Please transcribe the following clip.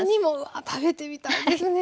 わあ食べてみたいですね。